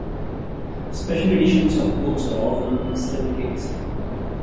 Special editions of books are often slipcased.